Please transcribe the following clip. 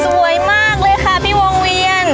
สวยมากเลยค่ะพี่วงเวียน